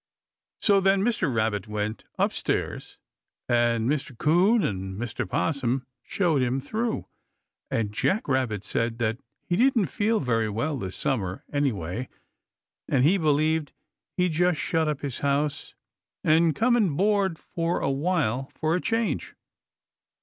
So then Mr. Rabbit went up stairs and Mr. 'Coon and Mr. 'Possum showed him through, and Jack Rabbit said that he didn't feel very well this summer, any way, and he believed he'd just shut up his house and come and board a while for a change.